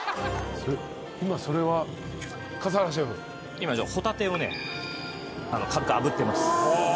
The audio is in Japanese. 今ホタテをね軽くあぶってます。